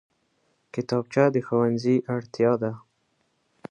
کتابچه د ښوونځي اړتیا ده